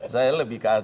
saya lebih kasar